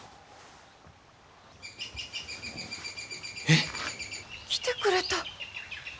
えっ？来てくれた。